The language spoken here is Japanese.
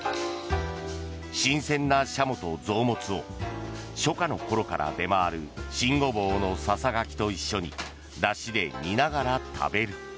新鮮なシャモと臓物を初夏の頃から出回る新ゴボウのささがきと一緒にだしで煮ながら食べる。